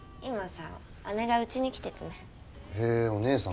今さ姉がうちに来ててね。